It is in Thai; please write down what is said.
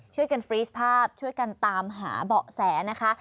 ช่วยกันฟรี๊สภาพช่วยกันตามหาเบาะแสนะคะ